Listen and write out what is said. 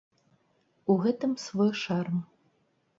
У гэтым свой шарм.